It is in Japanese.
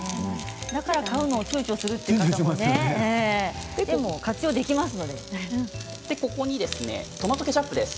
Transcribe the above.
だから買うのをちゅうちょするということもありますよね、ここにトマトケチャップです。